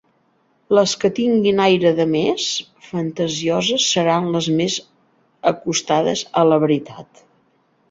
Les que tinguin aire de més fantasioses seran les més acostades a la veritat.